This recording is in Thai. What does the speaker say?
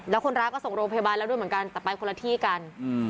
แล้วคนร้ายก็ส่งโรงพยาบาลแล้วด้วยเหมือนกันแต่ไปคนละที่กัน